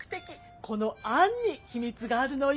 このあんに秘密があるのよ。